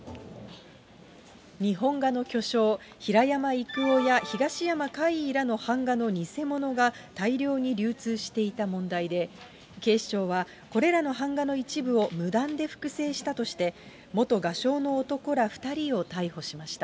日本画の巨匠平山郁夫や東山魁夷らの版画の偽物が大量に流通していた問題で、警視庁は、これらの版画の一部を無断で複製したとして、元画商の男ら２人を逮捕しました。